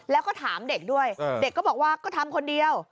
แล้วก็ถามเด็กด้วยเด็กก็บอกว่าก็ทำคนเดียว